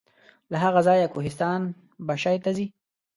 له هغه ځایه کوهستان بشای ته ځي.